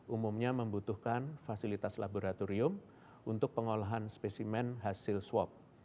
umumnya membutuhkan fasilitas laboratorium untuk pengolahan spesimen hasil swab